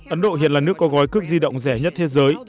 ấn độ hiện là nước có gói cước di động rẻ nhất thế giới